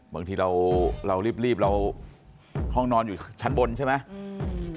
บางทีเราเรารีบเราห้องนอนอยู่ชั้นบนใช่ไหม